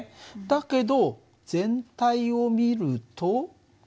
だけど全体を見ると。